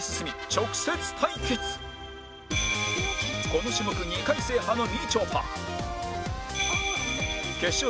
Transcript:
この種目２回制覇のみちょぱ